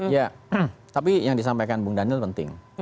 ya tapi yang disampaikan bung daniel penting